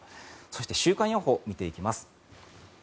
そして週間予報を見ていきます。